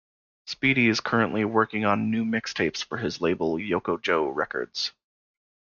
Speedy is currently working on new mixtapes for his label Yoko-Joe Records.